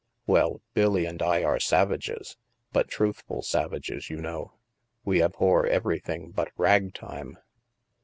" Well, Billy and I are savages. But truthful sav ages, you know. We abhor everything but ragtime.